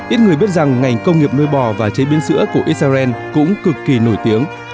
ít người biết rằng ngành công nghiệp nuôi bò và chế biến sữa của israel cũng cực kỳ nổi tiếng